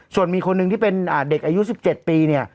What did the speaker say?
ส่วนมีคนหนึ่งที่เป็นเด็กอายุ๑๗ปีเนี่ย